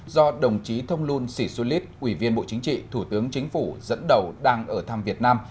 do đồng chí thông luân sĩ xu lít ủy viên bộ chính trị thủ tướng chính phủ dẫn đầu đang ở thăm việt nam